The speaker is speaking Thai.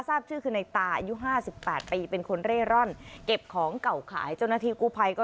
ทราบชื่อคือนายตาอายุ๕๘ปี